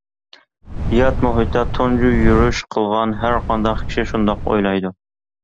يات مۇھىتقا تۇنجى يۈرۈش قىلغان ھەرقانداق كىشى شۇنداق ئويلايدۇ.